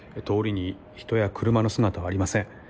通りに人や車の姿はありません。